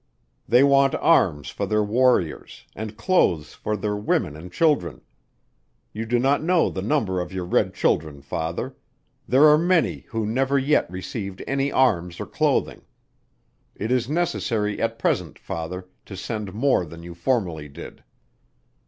They want arms for their Warriors, and clothes for their women and children. You do not know the number of your red children Father. There are many who never yet received any arms or clothing. It is necessary at present, Father, to send more than you formerly did.